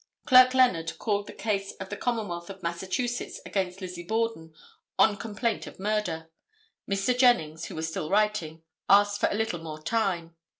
Clerk Leonard called the case of the Commonwealth of Massachusetts against Lizzie Borden, on complaint of murder. Mr. Jennings, who was still writing, asked for a little more time.